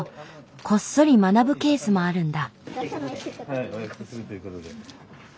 こっそり学ぶケースもあるんだ。